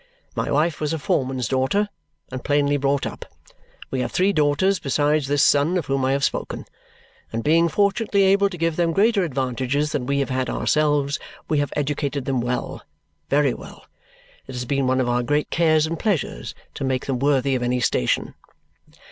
My wife was a foreman's daughter, and plainly brought up. We have three daughters besides this son of whom I have spoken, and being fortunately able to give them greater advantages than we have had ourselves, we have educated them well, very well. It has been one of our great cares and pleasures to make them worthy of any station."